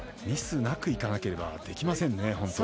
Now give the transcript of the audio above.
ミスなくいかなければいけませんね。